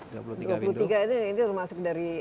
dua puluh tiga itu ini masuk dari atas itu